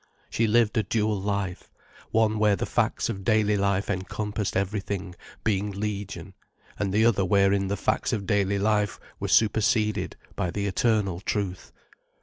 She lived a dual life, one where the facts of daily life encompassed everything, being legion, and the other wherein the facts of daily life were superseded by the eternal truth.